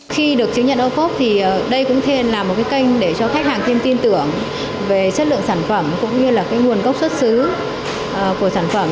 khi được chứng nhận ô cốp thì đây cũng thêm là một cái kênh để cho khách hàng thêm tin tưởng về chất lượng sản phẩm cũng như là cái nguồn gốc xuất xứ của sản phẩm